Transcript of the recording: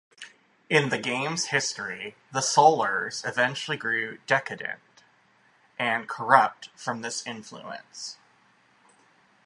In the game's history, the Solars eventually grew decadent and corrupt from this influence.